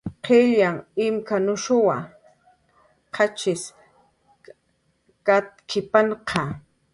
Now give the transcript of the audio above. "Qillyanh imk""anushunwa, qachips katk""ipanqa"